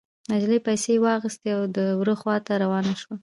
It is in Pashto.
نجلۍ پيسې واخيستې او د وره خوا ته روانه شوه.